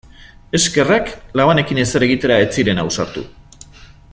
Eskerrak labanekin ezer egitera ez ziren ausartu.